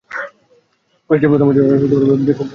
কলেজটি প্রথম বছরই ব্যাপক জনপ্রিয়তা লাভ করে।